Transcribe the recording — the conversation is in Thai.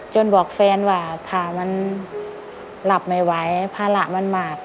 บอกแฟนว่าถ้ามันหลับไม่ไหวภาระมันมาก